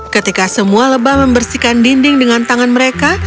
ketika semua lebah membersihkan dinding dengan tangan mereka